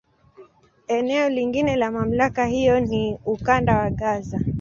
Eneo lingine la MamlakA hiyo ni Ukanda wa Gaza.